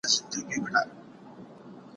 دوی چي ول لاره به بالا خلاصه وي باره بنده وه